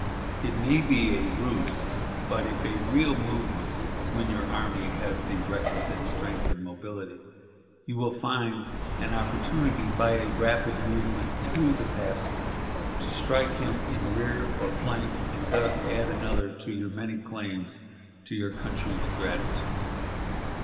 It may be a ruse, but, if a real movement, when your army has the requisite strength and mobility, you will probably find an opportunity, by a rapid movement through the passes, to strike him in rear or flank, and thus add another to your many claims to your country's gratitude....